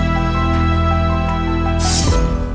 ได้